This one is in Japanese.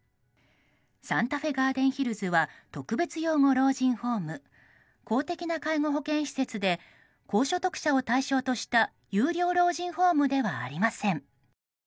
サンタフェガーデンヒルズは特別養護老人ホーム公的な介護保険施設で高所得者を対象とした有料老人ホームではありません。